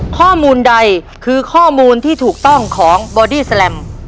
ข้อมูลใดคือข้อมูลที่ถูกต้องของบอดี้แลม